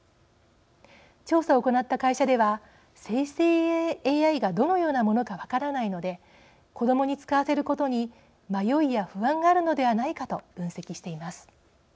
調査を行った会社では生成ＡＩがどのようなものか分からないので子どもに使わせることに迷いや不安があるのではないかと分析しています。